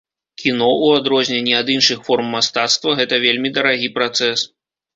Кіно, у адрозненні ад іншых форм мастацтва, гэта вельмі дарагі працэс.